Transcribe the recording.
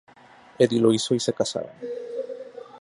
Edie lo hizo, y se casaron.